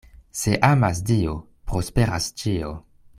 Se amas Dio, prosperas ĉio.